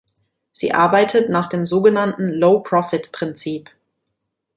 Sie arbeitet nach dem sogenannten "Low-Profit-Prinzip".